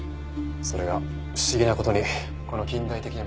それが不思議な事にこの近代的なビル